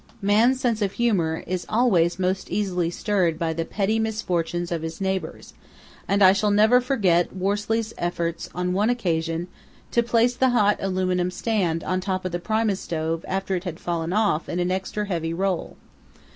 Man's sense of humour is always most easily stirred by the petty misfortunes of his neighbours, and I shall never forget Worsley's efforts on one occasion to place the hot aluminium stand on top of the Primus stove after it had fallen off in an extra heavy roll.